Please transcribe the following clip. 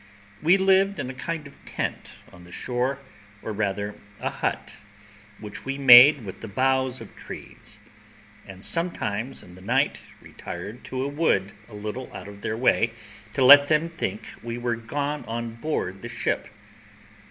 We lived in a kind of a tent on the shore, or rather a hut, which we made with the boughs of trees, and sometimes in the night retired to a wood a little out of their way, to let them think we were gone on board the ship.